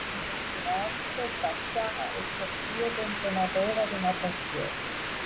En retirar-se passà a exercir d'entrenadora de natació.